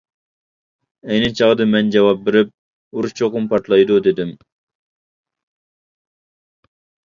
ئەينى چاغدا مەن جاۋاب بېرىپ: ئۇرۇش چوقۇم پارتلايدۇ، دېدىم.